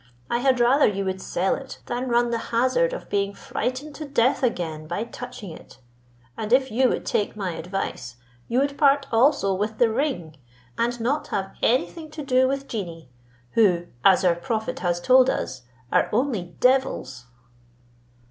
I had rather you would sell it, than run the hazard of being frightened to death again by touching it: and if you would take my advice, you would part also with the ring, and not have any thing to do with genii, who, as our prophet has told us, are only devils."